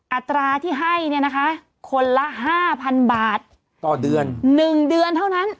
อัตราที่ให้เนี่ยนะคะคนละห้าพันบาทต่อเดือน๑เดือนเท่านั้น